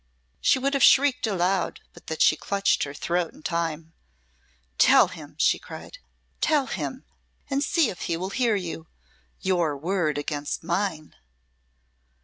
She would have shrieked aloud but that she clutched her throat in time. "Tell him!" she cried, "tell him, and see if he will hear you. Your word against mine!"